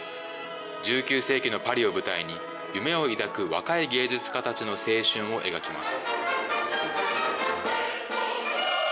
１９世紀のパリを舞台に、夢を抱く若い芸術家たちの青春を描きます。